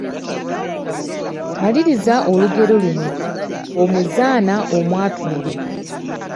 Maliriza olugero luno. Omuzaana omwatulire, …..